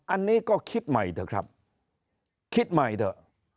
อันนี้ก็คิดใหม่เถอะครับคิดใหม่เถอะ